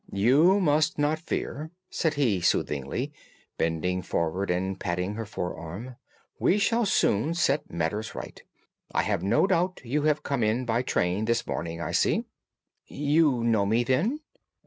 "You must not fear," said he soothingly, bending forward and patting her forearm. "We shall soon set matters right, I have no doubt. You have come in by train this morning, I see." "You know me, then?"